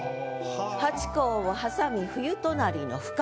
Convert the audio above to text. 「ハチ公を挟み冬隣の不覚」。